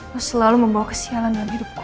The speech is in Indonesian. lo selalu membawa kesialan dalam hidupku